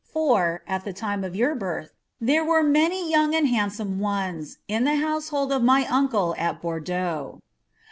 Ibr, at the lime of your birth, there were mrtny young aiid liandsoine ones, in the houBcholil uf my uncle, at Banlcaiix.